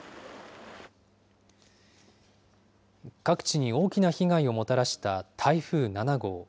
各地に大きな被害をもたらした台風７号。